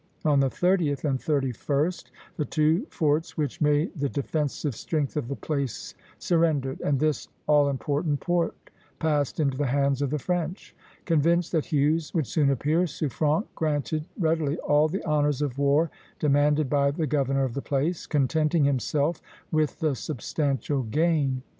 On the 30th and 31st the two forts which made the defensive strength of the place surrendered, and this all important port passed into the hands of the French. Convinced that Hughes would soon appear, Suffren granted readily all the honors of war demanded by the governor of the place, contenting himself with the substantial gain.